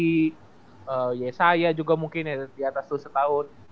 eee yesaya juga mungkin ya diatas lu setahun